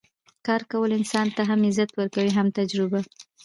کار کول انسان ته هم عزت ورکوي او هم تجربه